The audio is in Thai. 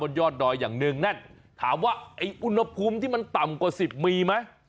บนยอดดอยอย่างหนึ่งนั่นถามว่าอุณหภูมิที่มันต่ำกว่า๑๐มีไหม